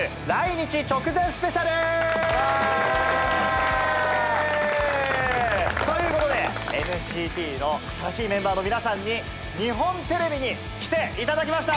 わぁ！ということでＮＣＴの新しいメンバーの皆さんに日本テレビに来ていただきました